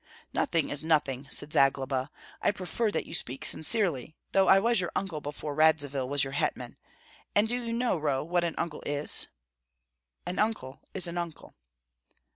"Nothing is nothing!" said Zagloba; "I prefer that you speak sincerely, though I was your uncle before Radzivill was your hetman. And do you know, Roh, what an uncle is?" "An uncle is an uncle."